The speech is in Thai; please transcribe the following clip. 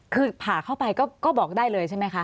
คือผ่าเข้าไปก็บอกได้เลยใช่ไหมคะ